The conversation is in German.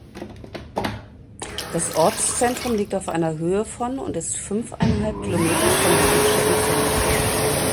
Das Ortszentrum liegt auf einer Höhe von und ist fünfeinhalb Kilometer von Levice entfernt.